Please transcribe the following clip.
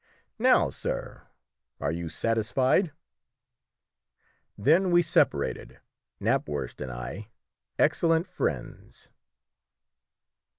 Now, sir, are you satisfied?" Then we separated Knapwurst and I excellent friends.